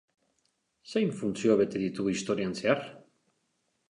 Zein funtzio bete ditu historian zehar?